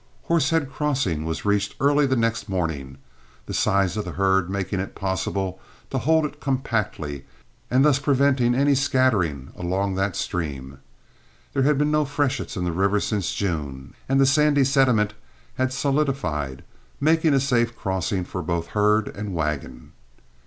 Horsehead Crossing was reached early the next morning, the size of the herd making it possible to hold it compactly, and thus preventing any scattering along that stream. There had been no freshets in the river since June, and the sandy sediment had solidified, making a safe crossing for both herd and wagon.